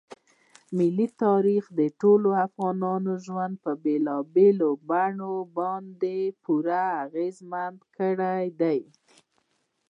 ملي تاریخ د ټولو افغانانو ژوند په بېلابېلو بڼو باندې پوره اغېزمن کړی دی.